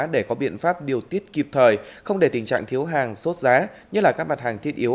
để có biện pháp điều tiết kịp thời không để tình trạng thiếu hàng sốt giá như là các mặt hàng thiết yếu